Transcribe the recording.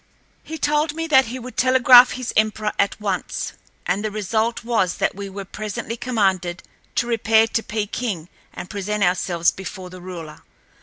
He told me that he would telegraph his emperor at once, and the result was that we were presently commanded to repair to Peking and present ourselves before the ruler.